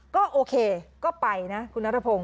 ก็โอเคก็ไปนะคุณนัทพงศ